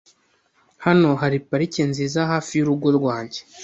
Hano hari parike nziza hafi yurugo rwanjye.